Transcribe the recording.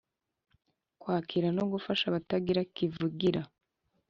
Kwakira no gufasha abatagira kivugira